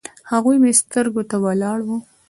هغه مې سترګو ته ولاړه وه